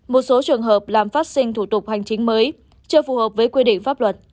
một số trường hợp làm phát sinh thủ tục hành chính mới chưa phù hợp với quy định pháp luật